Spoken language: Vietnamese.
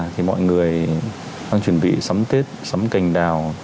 thì mọi người đang chuẩn bị sắm tết sắm cành đào